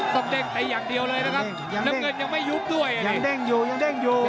เด้งตีอย่างเดียวเลยนะครับน้ำเงินยังไม่ยุบด้วยยังเด้งอยู่ยังเด้งอยู่